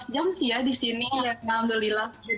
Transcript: enam belas jam sih ya di sini ya alhamdulillah